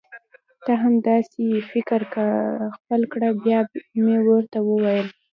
ته هم دا سي فکر خپل کړه بیا مي ورته وویل: